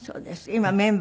今メンバー